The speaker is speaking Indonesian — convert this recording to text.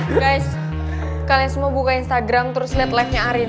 guys kalian semua buka instagram terus lihat live nya arin